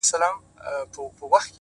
يو چا تضاده کړم خو تا بيا متضاده کړمه